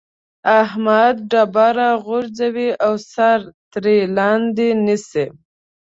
احمد ډبره غورځوي او سر ترې لاندې نيسي.